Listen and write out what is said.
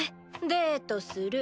デートする。